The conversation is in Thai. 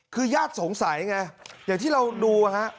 คือญาติสงสัยไงอย่างที่เราดูนะฮะ